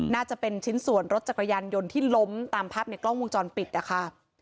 น่าจะเป็นชิ้นส่วนรถจักรยานยนต์ที่ล้มตามภาพในกล้องวงจรปิดนะคะ